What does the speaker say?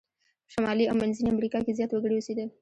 په شمالي او منځني امریکا کې زیات وګړي اوسیدل.